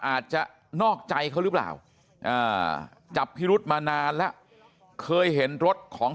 อาจจะนอกใจเขาหรือเปล่าจับพิรุธมานานแล้วเคยเห็นรถของ